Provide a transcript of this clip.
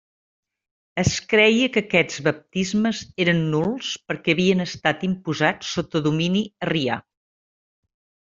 Es creia que aquests baptismes eren nuls perquè havien estat imposats sota domini arrià.